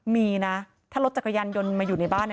มีนะถ้ารถจักรยานยนต์มาอยู่ในบ้านเนี่ย